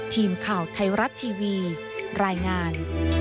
ทีมข่าวไทยรัฐทีวีรายงาน